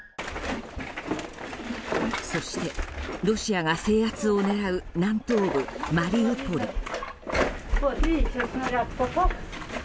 そしてロシアが制圧を狙う南東部マリウポリ。